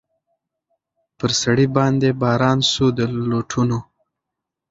پر سړي باندي باران سو د لوټونو